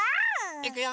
いくよ！